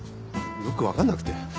よく分かんなくて。